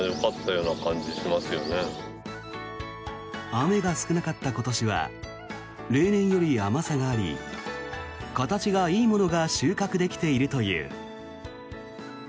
雨が少なかった今年は例年より甘さがあり形がいいものが収穫できているという。